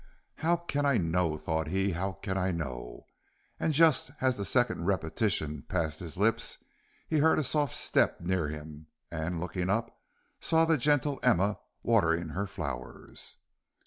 "How can I know," thought he, "how can I know?" and just as the second repetition passed his lips, he heard a soft step near him, and, looking up, saw the gentle Emma watering her flowers.